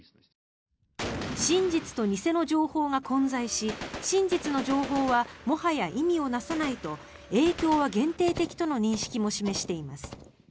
真実と偽の情報が混在し真実の情報はもはや意味をなさないと影響は限定的との認識も示しています。